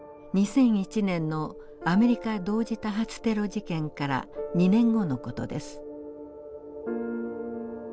２００１年のアメリカ同時多発テロ事件から２年後の事です。